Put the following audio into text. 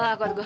gak kuat gue